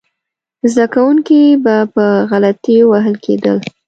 زده کوونکي به په غلطیو وهل کېدل.